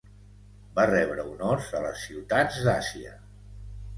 Va rebre honors a les ciutats d'Àsia.